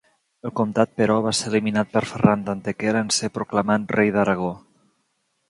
El comtat, però, va ser eliminat per Ferran d'Antequera en ser proclamat rei d'Aragó.